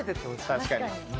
確かに。